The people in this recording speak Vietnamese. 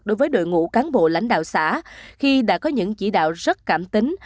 đối với đội ngũ cán bộ lãnh đạo xã khi đã có những chỉ đạo rất cảm tính